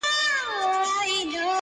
راته ښكلا راوړي او ساه راكړي;